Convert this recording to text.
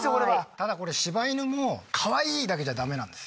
ただこれ柴犬もカワイイだけじゃ駄目なんです。